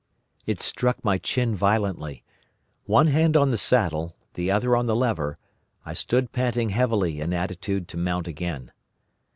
It struck my chin violently. One hand on the saddle, the other on the lever, I stood panting heavily in attitude to mount again.